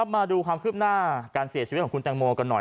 มาดูความคืบหน้าการเสียชีวิตของคุณแตงโมกันหน่อย